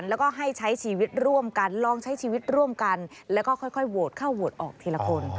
แล้วก็ค่อยโวตเข้าโวตออกทีละคน